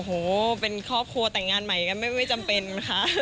โอ้โหเป็นครอบครัวแต่งงานใหม่กันไม่จำเป็นค่ะ